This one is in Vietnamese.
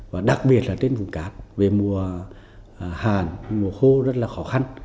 và đặc biệt là trên vùng cát về mùa hàn mùa khô rất là khó khăn